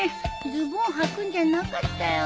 ズボンはくんじゃなかったよ。